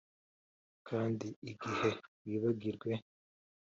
kandi igihe wibagirwe.